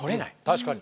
確かに。